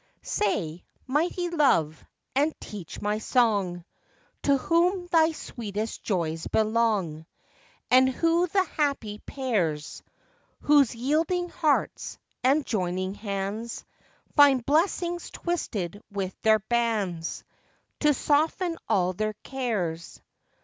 Say, mighty Love, and teach my song To whom thy sweetest joys belong, And who the happy pairs Whose yielding hearts, and joining hands, Find blessings twisted with their bands To soften all their cares.